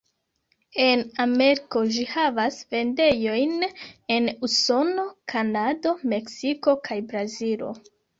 En Ameriko ĝi havas vendejojn en Usono, Kanado, Meksiko kaj Brazilo.